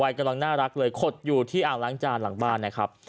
กำลังน่ารักเลยขดอยู่ที่อ่างล้างจานหลังบ้านนะครับ